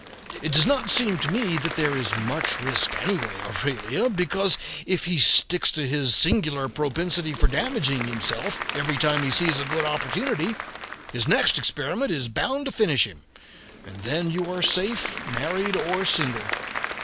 It does not seem to me that there is much risk, anyway, Aurelia, because if he sticks to his singular propensity for damaging himself every time he sees a good opportunity, his next experiment is bound to finish him, and then you are safe, married or single.